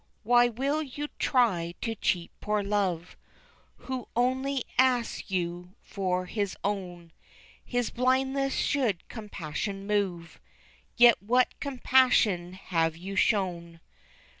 Why will you try to cheat poor love Who only asks you for his own, His blindness should compassion move, Yet what compassion have you shown?